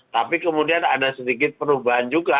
tapi kemudian ada sedikit perubahan juga